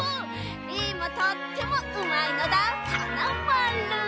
リンもとってもうまいのだ。はなまる。